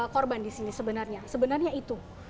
korban di sini sebenarnya sebenarnya itu